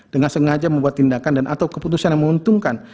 dengan sengaja membuat tindakan dan atau keputusan yang menguntungkan